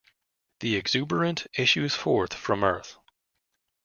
The exuberant issues forth from Earth.